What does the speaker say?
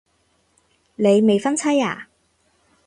你未婚妻啊